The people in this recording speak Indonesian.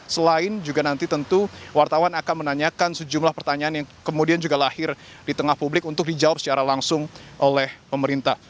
selain juga nanti tentu wartawan akan menanyakan sejumlah pertanyaan yang kemudian juga lahir di tengah publik untuk dijawab secara langsung oleh pemerintah